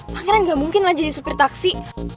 pangeran gak mungkin lah jadi supir taksi